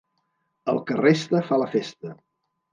El que resta fa la festa.